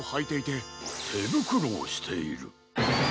てぶくろをしている。